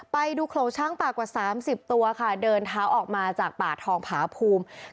ไปดูโขลงช้างป่ากว่า๓๐ตัวค่ะเดินเท้าออกมาจากป่าทองผาภูมิ